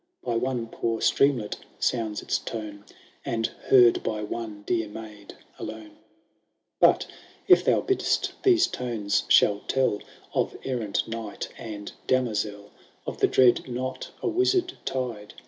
By one poor streamlet sounds its tone, And heard by one dear maid alone. VIII. But, if thou bid'st, these tones shall tell. Of errant knight, and damozelle ; Of the dread knot a Wizard tied.